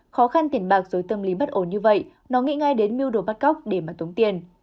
khó khăn tiền bạc rồi tâm lý bất ổn như vậy nó nghĩ ngay đến mưu đồ bắt cóc để mà tống tiền